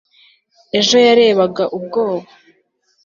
ejo yarebaga ubwoba